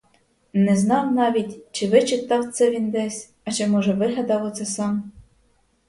Не знав навіть, чи вичитав це він десь, а чи, може, вигадав оце сам.